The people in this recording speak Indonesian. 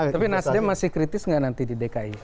tapi nasdem masih kritis nggak nanti di dki